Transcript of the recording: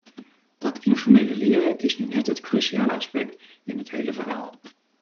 Dat informele leren is nu net het cruciale aspect in het hele verhaal.